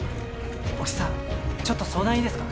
興津さんちょっと相談いいですか？